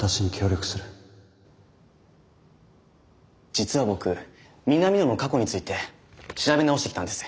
実は僕南野の過去について調べ直してきたんです。